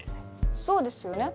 そうですよね。